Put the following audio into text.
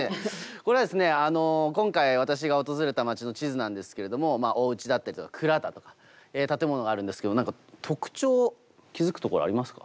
これは今回私が訪れた町の地図なんですけれどもおうちだったりとか蔵だとか建物があるんですけど何か特徴気付くところありますか？